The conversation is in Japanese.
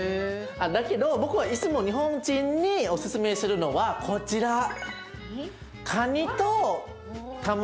あっだけど僕はいつも日本人におすすめするのはこちら。